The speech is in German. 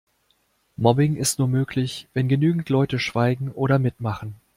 Mobbing ist nur möglich, wenn genügend Leute schweigen oder mitmachen.